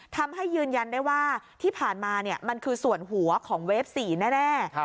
ยืนยันได้ว่าที่ผ่านมามันคือส่วนหัวของเวฟ๔แน่